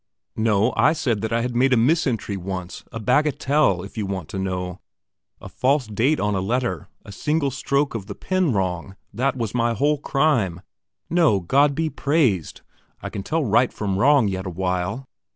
"No; I said that I had made a mis entry once, a bagatelle; if you want to know, a false date on a letter, a single stroke of the pen wrong that was my whole crime. No, God be praised, I can tell right from wrong yet a while.